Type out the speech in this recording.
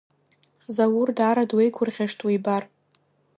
Заур даара дуеигәырӷьашт, уибар!